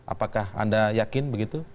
apakah anda yakin begitu